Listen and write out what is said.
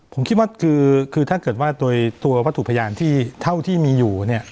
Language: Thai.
ผมคิดว่าคือถ้าเกิดว่าโดยตัววัตถุพยานที่เท่าที่มีอยู่เนี่ย